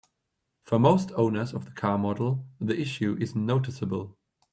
For most owners of the car model, the issue isn't noticeable.